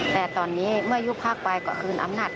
แต่ตอนนี้เมื่อยุบพักไปก็คืนอำนาจ